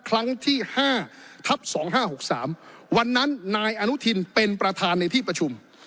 ครั้งที่๕ทับ๒๕๖๓วันนั้นนายอนุทินเป็นประธานในที่ประชุม